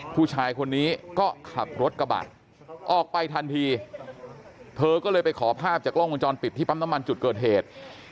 ผู้ชายคนนี้ก็ขับรถกระบะออกไปทันทีเธอก็เลยไปขอภาพจากกล้องวงจรปิดที่ปั๊มน้ำมันจุดเกิดเหตุ